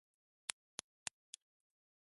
本のページをめくる音だけが聞こえる。